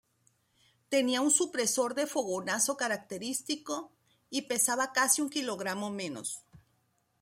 Tenía un supresor de fogonazo característico, y pesaba casi un kilogramo menos.